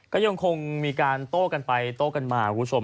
ก็ยังคงมีการโต้กันไปโต้กันมาคุณผู้ชม